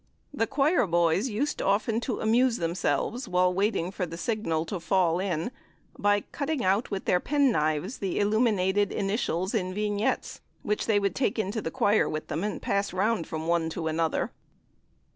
The choir boys used often to amuse themselves, while waiting for the signal to "fall in," by cutting out with their pen knives the illuminated initials and vignettes, which they would take into the choir with them and pass round from one to another.